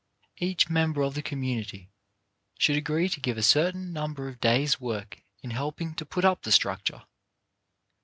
Each member of the commu nity should agree to give a certain number of days' work in helping to put up the structure.